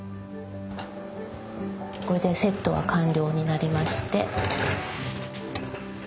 これでセットは完了になりまして。